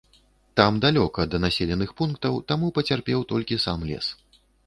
Там далёка да населеных пунктаў, таму пацярпеў толькі сам лес.